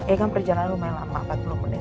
eh kan perjalanan lumayan lama empat puluh menit